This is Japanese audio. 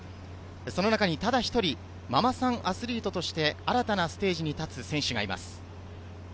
その中にただ一人、ママさんアスリートとして新たなステージに立つ選手がいます。